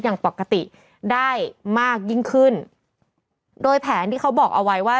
อย่างปกติได้มากยิ่งขึ้นโดยแผนที่เขาบอกเอาไว้ว่า